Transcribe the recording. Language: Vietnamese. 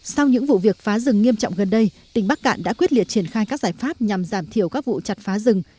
sau những vụ việc phá rừng nghiêm trọng gần đây tỉnh bắc cạn đã quyết liệt triển khai các giải pháp nhằm giảm thiểu các vụ chặt phá rừng